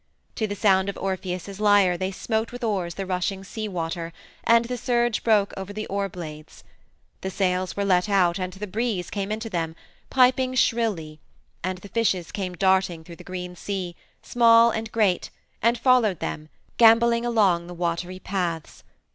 To the sound of Orpheus's lyre they smote with oars the rushing sea water, and the surge broke over the oar blades. The sails were let out and the breeze came into them, piping shrilly, and the fishes came darting through the green sea, great and small, and followed them, gamboling along the watery paths.